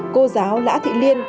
cô giáo lã thị liên